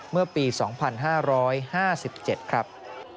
เมื่อปี๒๕๕๗ครับ